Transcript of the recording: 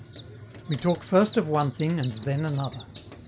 We talk first of one thing and then another.